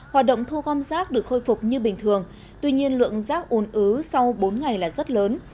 hoạt động thu gom rác được khôi phục như bình thường tuy nhiên lượng rác ồn ứ sau bốn ngày là rất lớn